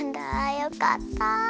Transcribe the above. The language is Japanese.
よかった！